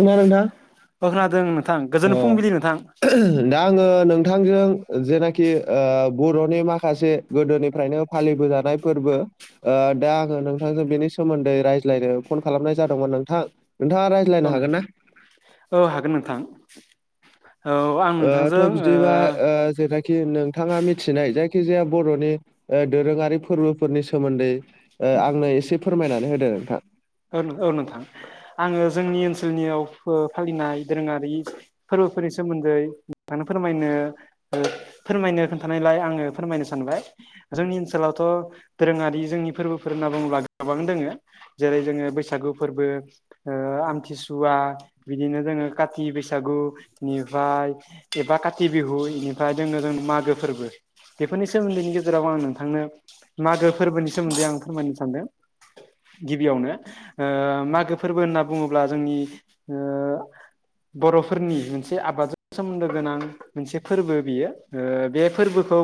खोनादों नोंथां बो खोनादों नोंथां गोजोन ओ फुंबिलि नोंथां। दा आङो नोंथांजों जेनाखि बर'नि माखासे गोदोनिफ्रायनो फालिबोजानाय फोरबो ओ दा आङो नोंथांजों बेनि सोमोन्दै रायज्लायनो फन खालामनाय जादोंमोन नोंथां नोंथाङालाय औ नोंथां औ हागोन नोंथां। औ आं नोंथांजों थ' बिदिबा ओ जेनाखि कि नोंथाङा मिथिनाय जायखि जाया बर'नि दोरोङारि फोरबोफोरनि सोमोन्दै ओ आंनो एसे फोरमायनानै होदो नोंथां औ औ नोंथां आङो जोंनि ओनसोलनियाव फालिनाय दोरोङारि फोरबोफोरनि सोमोन्दै नोंनो फोरमायनो फोरमायनो खोन्थानायलाय आङो फोरमायनो सानबाय जोंनि ओनसोलावथ' दोरोङारि जोंनि फोरबोफोर होनना बुङोब्ला गोबां दोङो जेरै जोङो बैसागु फोरबो आमथिसुवा बिदिनो जोङो काथि बैसागु बेनिफ्राय एबा काथि बिहु बेनिफ्राय जोंनो जों मागो फोरबो बेफोरनि सोमोन्दैनि गेजेराव आं नोंथांनो मागो फोरबोनि सोमोन्दै आं फोरमायनो सानदों गिबियावनो मागो फोरबो होनना बुङोब्ला जोंनि बर'फोरनि मोनसे आबादजों सोमोन्दो गोनां मोनसे फोरबो बियो बे फोरबोखौ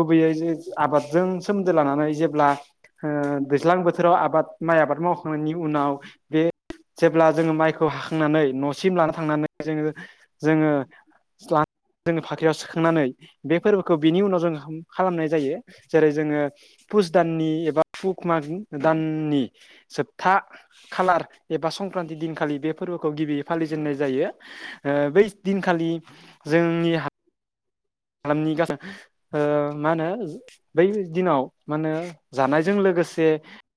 गुबैयै ज आबादजों सोमोन्दो लानानै जेब्ला दैज्लां बोथोराव आबाद माइ आबाद मावखांनायनि उनाव बे जेब्ला जोङो माइखौ हाखांनानै न'सिम लाना थांनानै जोङो जोङो स्ला जोङो फाख्रियाव सोखांनानै बे फोरबोखौ बिनि उनाव जों खालामनाय जायो जेरै जोङो पुस दाननि एबा पुक माग दाननि जोबथा खालार एबा संक्रान्ति दिनखालि बे फोरबोखौ गिबियै फालिजेननाय जायो। बै दिनखालि जोंनि हालामनि गास ओ मा होनो बै दिनाव माहोनो जानायजों लोगोसे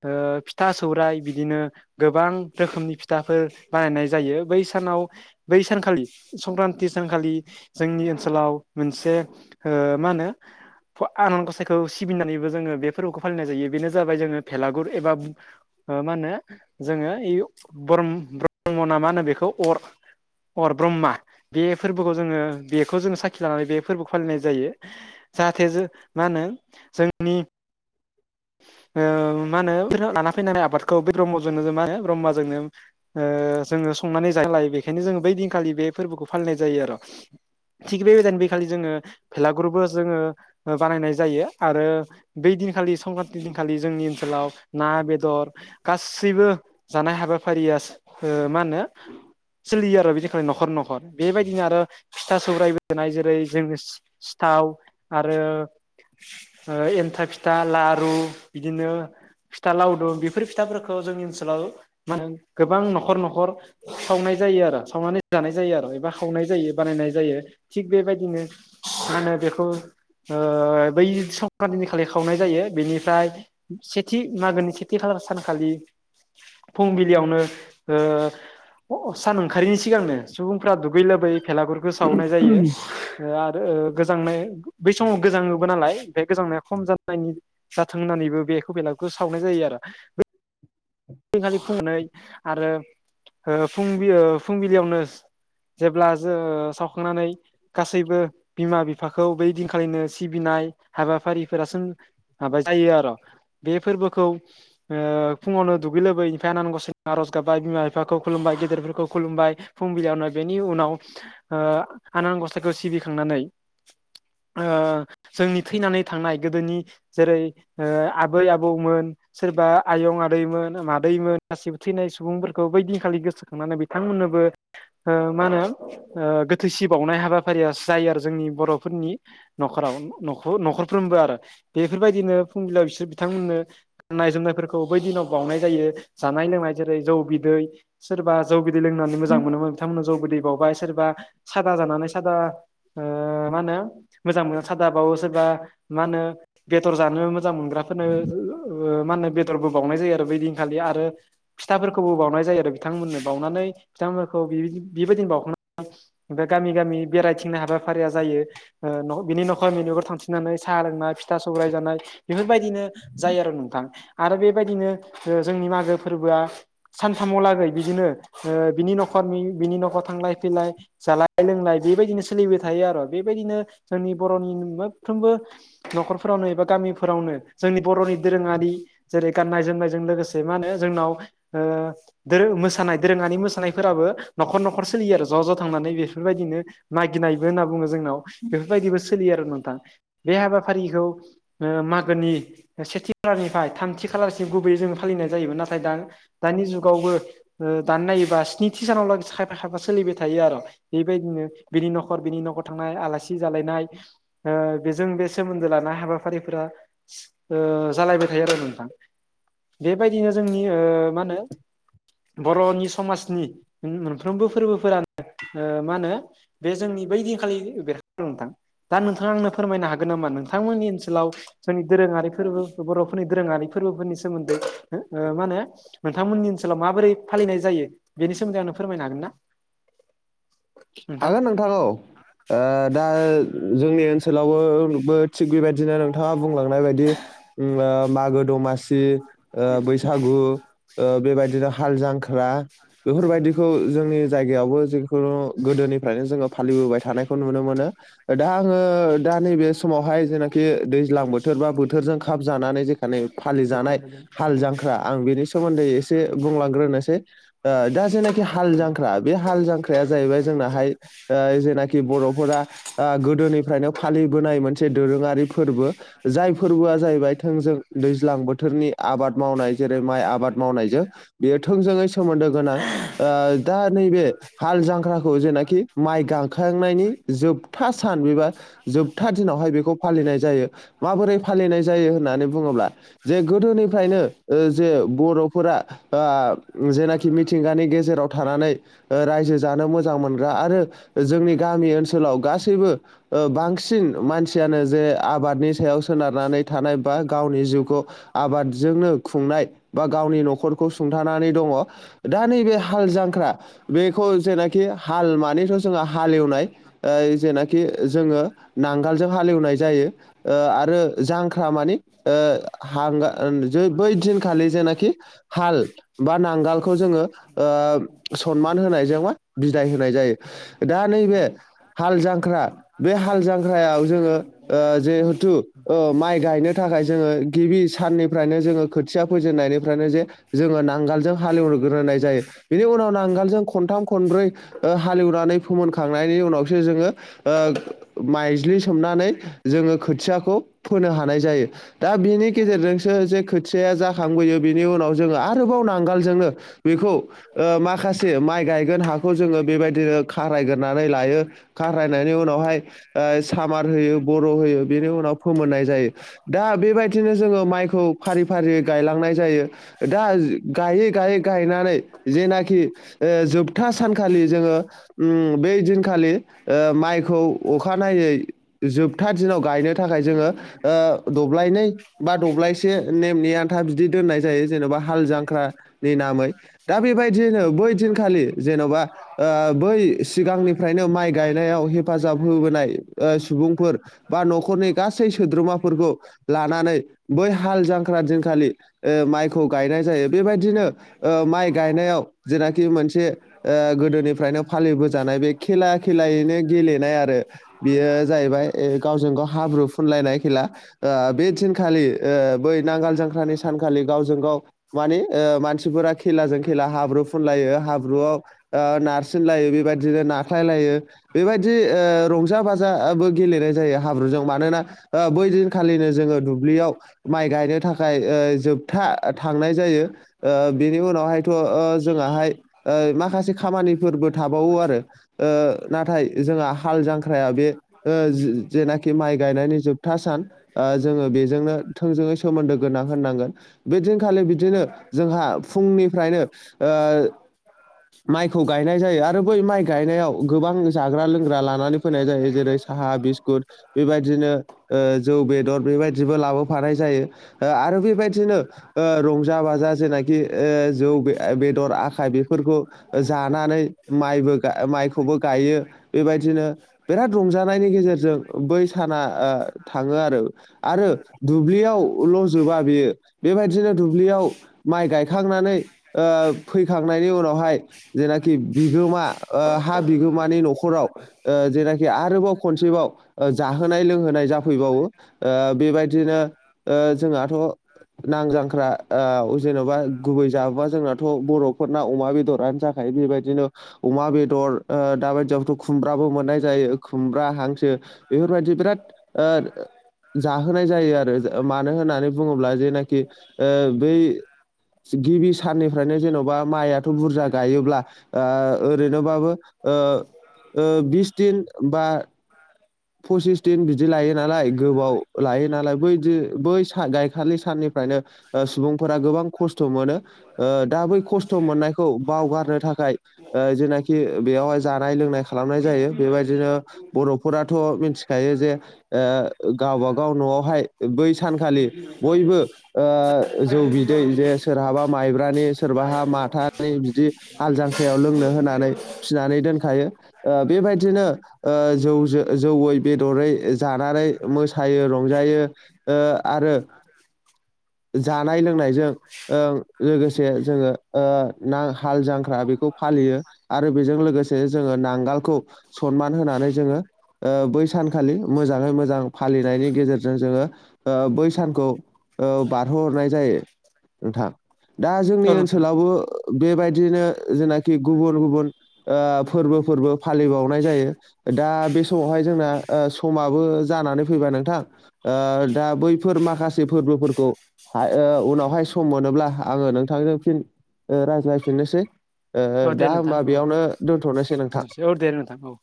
ओ फिथा सौराइ बिदिनो गोबां रोखोमनि फिथाफोर बानायनाय जायो बै सानाव बै सानखालि संक्रान्ति सानखालि जोंनि ओनसोलाव मोनसे ओ मा होनो आनान गसाइखौ सिबिनानैबो जोङो बे फोरबोखौ फालिनाय जायो बेनो जाबाय जोङो भेलागुर एबा मा होनो जोङो ब्र ब्रह्मना मा होनो बेखौ अर अर ब्रह्म बे फोरबोखौ जोङो बेखौ जोङो सायख लानानै बे फोरबो फालिनाय जायो जाहाथे जों मा होनो जोंनि [inaudible] ओ मा होनो लाना फैनानै आबादखौ बे ब्रह्मजोंनो मा होनो ब्रह्माजोंनो ओ जोङो संनानै जानायो नालाय बेखायनो जोङो बै दिनखालि बे फोरबोखौ फालिनाय जायो आर'। थिग बेबायदिनो बेखालि जोङो भेलागुरुबो जोङो बानायनाय जायो आरो बै दिनखालि संक्रान बै दिनखालि जोंनि ओनसोलाव ना बेदर गासैबो जानाय हाबाफारिया ओ मा होनो सोलियो आरो बिदिनखालि न'खर न'खर बेबायदिनो आरो फिथा सौराइबो होनाय जेरै जोङो सि-सिथाव आरो ओ एन्था फिथा लारु बिदिनो फिथा लावदुम बेफोर फिथाफोरखौ जोंनि ओनसोलाव माहोनो गोबां न'खर न'खर सावनाय जायो आरो सावनानै जानाय जायो आरो एबा सावनाय जायो बानायनाय जायो थिग बेबायदिनो मा होनो बेखौ ओ बै संक्रान्तिनि खालि खावनाय जायो बेनि ओमफ्राय सेथि मागोनि सेथि खालार सानखालि फुंबिलियावनो ओ अ सान ओंखारनि सिगांनो सुबुंफ्रा दुगैलाबायो भेलागुरबो सावनाय जायो। ओ आरो ओ गोजांनाय बै समाव गोजाङोबो नालाय बे गोजांनाया खम जानायनि जाथों होननानैबो बेखौ बेलागुखौ सावनाय जायो आरो। खालि फुंनानै आरो ओ फुंबि ओ फुंबिलियावनो जेब्ला जों सावखांनानै गासैबो बिमा बिफाखौ बै दिनखालिनो सिबिनाय हाबाफारिफोरासो माबा जायो आर' बे फोरबोखौ ओ फुङावनो दुगै लोबै इनिफ्राय आनान गसायनियाव आर'ज गाबबाय बिमा बिफा खुलुमबाय गेदेरफोरखौ खुुलुमबाय फुंबिलियावनो बेनि उनाव ओ आनान गसाइखौ सिबिखांनानै ओ जोंनि थैनानै थांनाय गोदोनि जेरै ओ आबै आबौमोन सोरबा आयं आदैमोन मादैमोन गासिबो थैनाय सुबुंफोरखौ बैदिनखालि गोसोखांनानै बिथांमोननोबो ओ मा होनो ओ गोथैसि बावनाय हाबाफारिया जायो आरो जोंनि बर'फोरनि। न'खराव न'खर-न'खरफ्रोमबो आरो। बेफोरबायदिनो फुंबिलियाव बिसोर बिथांमोननो गाननाय जोमनायफोरखौ बै दिनाव बावनाय जायो जानाय लोंनाय जेरै जौ बिदै सोरबा जौ बिदै लोंनानै मोजां मोनोमोन बिथांमोननो जौ बिदै बावबाय सोरबा सादा जानानै सादा ओ मा होनो मोजां मोनो सादाबावो सोरबा मा होनो बेदर जानो मोजां मोनग्राफोरनो मा होनो बेदरबो बावनाय जायो आरो बै दिनखालि आरो फिथाफोरखौबो बावनाय जायो आरो बिथांमोननो बावनानै बिथांमोनखौ बेबायदिनो बावखां बे गामि गामि बेरायथिंनाय हाबाफारिया जायो। ओ न' बिनि न'खर बयनावबो थांथिंनानै साहा लोंनाय फिथा सौराइ जानाय बेफोरबायदिनो जायो आरो नोंथां। आरो बेबायदिनो ओ जोंनि मागो फोरबोआ सानथामाव लागै बिदिनो ओ बिनि न'खर बिनि न'खर थांलाय फैलाय जालाय लोंलाय बेबायदिनो सोलिबाय थायो आरो बेबायदिनो जोंनि बर'नि मोनफ्रोमबो न'खरफोरावनो एबा गामिफोरावनो जोंनि बर'नि दोरोङारि जेरै गाननाय जोमनाय ज जों लोगोसे मा होनो जोंनाव ओ दोरों मोसानाय दोरोङानि मोसानायफोराबो न'खर न'खर सोलियो आरो ज' ज' थांनानै बेफोरबायदिनो नागिनायबो होनना बुङो जोंनाव बेफोरबायदिबो सोलियो आरो नोंथां बे हाबाफारिखौ मागोनि सेथि खालारनिफ्राय थामथि खालारसिम गुबैयै जोङो फालिनाय जायोमोन नाथाय दा दानि जुगावबो दान नायोबा स्निथि सानाव लाग खायफा खायफा सोलिबाय थायो आरो बेबायदिनो बिनि न'खर बिनि न'खर थांनाय आलासि जालायनाय ओ बेजों बे सोमोन्दो लानाय हाबाफारिफोरा ओ जालायबाय थायो आरो नोंथां बेबायदिनो जोंनि ओ मा होनो बर'नि समाजनि मोनफ्रोमबो फोरबोफोरानो मा होनो बे जोंनि बैदिनखालि बेरहदों नोंथां दा नोंथाङा आंनो फोरमायनो हागोन नामा नोंथांमोननि ओनसोलाव जोंनि दोरोङारि फोरबो बर'फोरनि दोरोङारि फोरबोफोरनि सोमोन्दै मा होनो नोंथांमोननि ओनसोलाव माबोरै फालिनाय जायो बेनि सोमोन्दै आंनो फोरमायनो हागोन ना नोंथां? हागोन नोंथांौ दा जोंनि ओनसोलावबोबो थिग बेबायदिनो नोंथाङा बुंलांनाय बायदि मागो दमासि बैसागु बेबायदिनो हाल जांख्रा बेफोरबायदिखौ जोंनि जायगायावबो जिखुनु गोदोनिफ्रायनो जोङो फालिबोबाय थानायखौ नुनो मोनो दा आङो दा नैबे समावहाय जेनाखि दैज्लां बोथोर बा बोथोरजों खाब जानानै जे मे फालिजानाय हाल जांख्रा आं बेनि सोमोन्दै एसे बुंलांग्रोनोसै दा जेनाखि हाल जांख्रा बे हाल जांख्राया जाहैबाय जोंनाहाय जेनाखि बर'फोरा गोदोनिफ्रायनो फालिबोनाय मोनसे दोरोङारि फोरबो जाय फोरबोआ जाहैबाय थोंजों दैज्लां बोथोरनि आबाद मावनाय जेरै माइ आबाद मावनायजों बेयो थोंजोङै सोमोन्दो गोनां दा नैबे हाल जांख्राखौ जेख माइ गांखांनायनि जोबथा सान एबा जोबथा दिनावहाय बे फालिनाय जायो माबोरै फालिनाय जायो होननानै बुङोब्ला जे गोदोनिफ्रायनो जे बर'फोरा जेनाखि मिथिंगानि गेजेराव थानानै रायजो जानो मोन मो मोन आरो जोंनि गामि ओनसोलाव गासैबो बांसिन बांसिन मानसियानो जे आबादनि सायाव सोनारनानै थानाय बा गावनि जिउखौ आबादजोंनो खुंनाय बा गावनि न'खरखौ सुंथानानै दङ दा नैबे हाल जांख्रा बेखौ जेनाखि हाल मानिथ' जोंहा हालेवनाय जेनाखि जोङो नांगालजों हालेवनाय जायो आरो जांख्रा मानि हांग बै दिनखालि जेनाखि हाल बा नांगोलखौ जोङो सनमान होनायजोंबा बिदाय होनाय जायो दा नैबे हाल जांख्रा बे हाल जाख्रायाव जोङो जिहेथु माइ गायनो थाखाय जोङो गिबि साननिफ्रायनो जोङो खोथिया फोजेननायनिफ्रायनो जे जोङो नांगोलजों हालेवग्रोनाय जायो बेनि उनाव नांगालजों खनथाम खनब्रै हालेवनानै फोमोनखांनायनि उनावसो जोङो माइज्लि सोमनानै जोङो खोथियाखौ फोनो हानाय जायो दा बिनि गेजेरजोंसो जे खोथियाया जाखांबोयो बिनि उनाव जोङो आरोबाव नांगोलजोंनो बेखौ माखासे माइ गायगोन हाखौ जोङो बेबायदिनो खारायग्रोनानै लायो खारायनायनि उनावहाय सामार होयो बर' होयो बेनि उनाव फोमोननाय जायो दा बेबायदिनो जोङो माइखौ फारि फारि गायलांनाय जायो दा गायै गायै गायनानै जेनाखि जोब जोबथा सानखालि जोङो उ बै दिनखालि माइखौ अखानायै जोबथा दिनाव गायनो थाखाय जोङो दब्लायनै बा द्लाय एसे नेमनि आन्था बिदि दोननाय जायो जेन'बा हाल जांख्रानि नामै दा बेबायदियैनो बै दिनखालि। जेन'बा ओ बै सिगांनिफ्रायनो माइ गायनायाव हेफाजाब होबोनाय ओ सुबुंफोर बा न'खरनि गासै सोद्रोमाफोरखौ लानानै बै हाल जांख्रा दिनखालि माइखौ गायनाय जायो बेबायदिनो माइ गायनायाव जेनाखि मोनसे। ओ गोदोनिफ्रायनो फालिबोजानाय बे खेला खेलायैनो गेलेनाय आरो बेयो जाहैबाय गावजों गाव हाब्रु फुनलायनाय खेला बे दिनखालि बै नांगाल जांख्रानि सानखालि गावजों गाव मानिे ओ मानसिफोरा खेलाजों खेला हाब्रु फुनलायो हाब्रुआव ओ नारसिन लायो बेबायदिनो नाख्लाय लायो बेबायदि ओ रंजा बाजाबो गेलेनाय जायो हाब्रुजों मानोना ओ बै दिनखालिनो जोङो दुब्लियाव माइ गायनो थाखाय ओ जोबथा थांनाय जायो। ओ बिनि उनावहायथ' ओ जोंाहाय माखासे खामानिफोरबो थाबावो आरो ओ नाथाय जोंहा हाल जांख्राया बे ओ जेनाखि माइ गायनायनि जोबथा सान जोङो बेजोंनो थों जोङै सोमोन्दो गोनां होननांगोन। बेदिनखालि बिदिनो जोंहा फुंनिफ्रायनो ओ माइखौ गायनाय जायो आरो बै माइ गायनायाव गोबां जाग्रा लोंग्रा लानानै फैनाय जायो जेरै साहा बिस्कुट बेबायदिनो ओ जौ बेदर बेबायदिबो लाबोफानाय जायो ओ आरो बेबायदिनो ओ रंजा बाजा जेनाखि ओ जौ बेदर आखाय बेफोरखौ। जानानै माइबो माइखौ खौबो गायो बेबायदिनो बिराद रंजानायनि गेजेरजों। बै साना थाङो आरो आरो दुब्लियावल' जोबा बेयो बेबायदिनो दुब्लियाव माइ गायखांनानै ओ फैखांनायनि उनावहाय जेनाखि बिगोमा हा बिगोमानि न'खराव। जेनाखि आरोबाव खनसेबाव जाहोनाय लोंहोनाय जाफैबावो बेबायदिनो जोंहाथ'। नांजांख्रा जेन'बा गुबै जाबोबा जोंनाथ' बर'फोरना अमा बेदरानो जाखो। बेबायदिनो अमा बेदर। ओ दाबायदियावथ' खुमब्राबो मोननाय जायो खुमब्रा हांसो बेफोरबायदि बिराद। ओर जाहोनाय जायो आरो मानो होननानै बुङोब्ला जेनाखि बै गिबि साननिफ्रायनो जेन'बा माइआथ' बुरजा। ओरैनोबाबो बिस दिन बा। फसिस दिन बिदि लायो नालाय गोबाव लायो नालाय बैदि बै स गाइखेरनि साननिफ्रायनो सुबुंफोरा गोबां खस्थ' मोनो। दा बै खस्थ' मोननायखौ बावगारनो जानकार। जेनाखि बेयावहाय जानाय लोंनाय खालामनाय जायो बेबायदिनो बर'फोराथ' मिथिखायो जे गावबागाव न'आवहाय बै सानखालि बयबो जौ बिदै जे सोरहाबा माइब्रानि सोरबाहा माथानि बिदि हाल जांख्रिायाव लोंनो होनानै फिनानै दोनखायो बेबायदिनो जौ ज जौयै बेदरै जानानै मोसायो रंजायो आरो जानाय लोंनायजों लोगोसे जोङो न हाल जांख्रा बेखौ फालियो। आरो बेजों लोगोसे जोङो नांगोलखौ सनमान होनानै जोङो बै सानखालि मोजाङै मोजां फालिनायनि गेजेरजों जोङो बै सानखौ बारहोहरनाय जायो नोंथां दा जोंनि औ नोंथां ओनसोलावबो बेबायदिनो जेनाखि गुबुन गुबुन फोरबोफोरबो फालिबावनाय जायो दा बे समावहाय जोंना समाबो जानानै फैबाय नोंथां दा बैफोर माखासे फोरबोफोरखौ उनावहाय सम मोनोब्ला आङो नोंथांजों फिन रायज्लायफिननोसै औ दे दा हबा बेयावनो दोनथ'नोसै नोंथां दनोथां औ